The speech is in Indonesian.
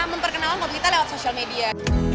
memperkenalkan kopi kita lewat social media